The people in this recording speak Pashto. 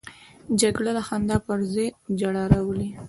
جګړه د خندا پر ځای ژړا راولي